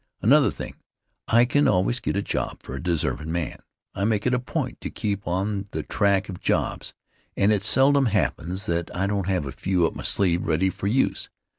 Another thing, I can always get a job for a deservin' man. I make it a point to keep on the track of jobs, and it seldom happens that I don't have a few up my sleeve ready for use.